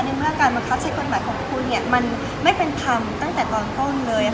เมื่อการบังคับใช้กฎหมายของคุณมันไม่เป็นธรรมตั้งแต่ตอนต้นเลย